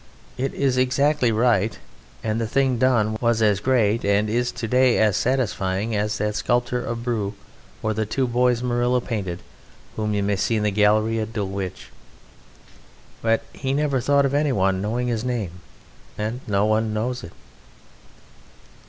It is exactly right, and the thing done was as great and is to day as satisfying as that sculpture of Brou or the two boys Murillo painted, whom you may see in the Gallery at Dulwich. But he never thought of any one knowing his name, and no one knows it.